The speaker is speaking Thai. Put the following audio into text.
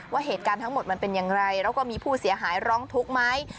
ว่าเหตุการณ์ทั้งหมดมันเป็นอย่างไรแล้วก็มีผู้เสียหายร้องทุกข์ไหม